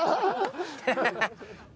ハハハッ！